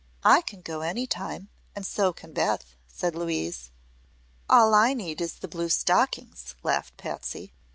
"I can go any time, and so can Beth," said Louise. "All I need is the blue stockings," laughed Patsy.